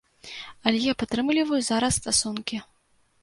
Але я падтрымліваю зараз стасункі.